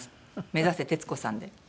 目指せ徹子さんで。